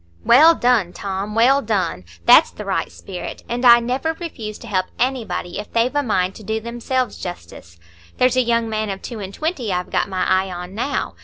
"Well done, Tom, well done! That's the right spirit, and I never refuse to help anybody if they've a mind to do themselves justice. There's a young man of two and twenty I've got my eye on now.